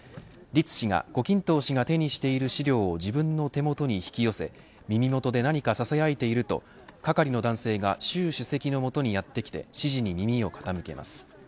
栗氏が胡錦濤氏が手にしている資料を自分の手元に引き寄せ耳元で何かささやいていると係の男性が習主席の元にやって来て指示に耳を傾けます。